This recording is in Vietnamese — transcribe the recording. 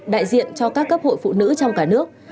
đại diện cho các cấp hội phụ nữ trong cả nước